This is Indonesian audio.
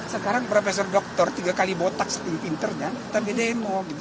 sekarang profesor doktor tiga kali botak setinggung pinternya tapi demo